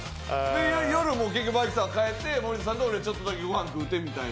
夜もバイクさんが帰って森田さんと俺、ちょっとだけご飯食うてみたいな。